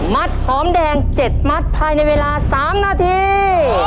หอมแดง๗มัดภายในเวลา๓นาที